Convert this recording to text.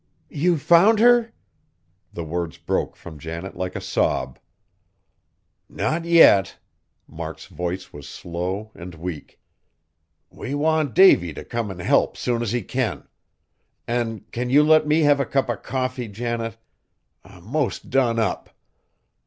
"You found her?" The words broke from Janet like a sob. "Not yet." Mark's voice was slow and weak. "We want Davy t' come an' help, soon as he can. An' can you let me have a cup o' coffee, Janet? I'm most done up.